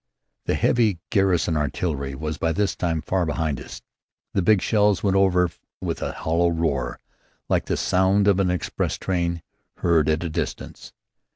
The heavy Garrison artillery was by this time far behind us. The big shells went over with a hollow roar like the sound of an express train heard at a distance.